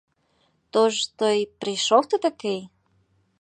То ж то й прийшов ти такий!